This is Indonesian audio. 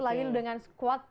lagi dengan squat